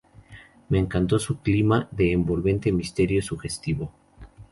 Me encantó su clima de envolvente misterio sugestivo.